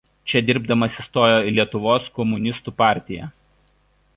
Čia dirbdamas įstojo į Lietuvos komunistų partiją.